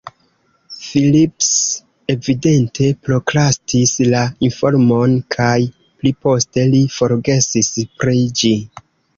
Phillips evidente prokrastis la informon kaj pli poste li forgesis pri ĝi.